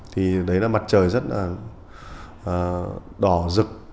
thì đấy là mặt trời rất là đỏ rực